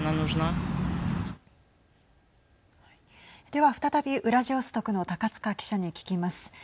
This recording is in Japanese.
では再び、ウラジオストクの高塚記者に聞きます。